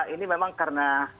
ini memang karena